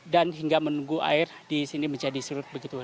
dan hingga menunggu air di sini menjadi surut begitu